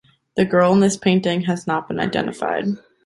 The girl in this painting has not been identified.